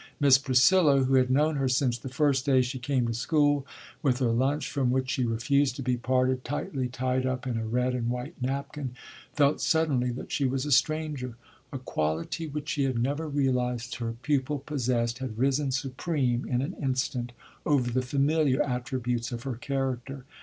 Miss Priscilla, who had known her since the first day she came to school (with her lunch, from which she refused to be parted, tightly tied up in a red and white napkin), felt suddenly that she was a stranger. A quality which she had never realized her pupil possessed had risen supreme in an instant over the familiar attributes of her character.